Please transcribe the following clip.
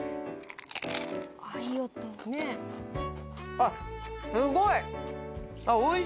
あっすごい。